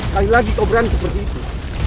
kali lagi kau berani seperti itu